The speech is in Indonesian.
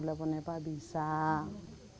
berp recompende secara kekemasanku